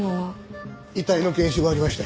遺体の検視終わりました。